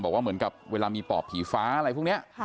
บอกว่าเหมือนกับเวลามีป่อผีฟ้าอะไรพวกเนี้ยค่ะนะฮะ